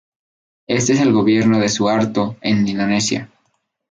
Este es el gobierno de Suharto en Indonesia.